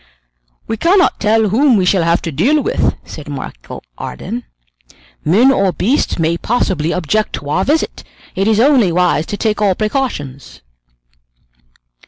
"We cannot tell whom we shall have to deal with," said Michel Ardan. "Men or beasts may possibly object to our visit. It is only wise to take all precautions."